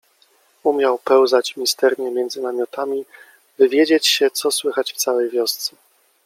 Umiał pełzać misternie między namiotami, wywiedzieć się co słychać w całej wiosce